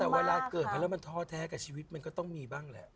แต่เวลาเกิดมาแล้วมันท้อแท้กับชีวิตมันก็ต้องมีบ้างแหละ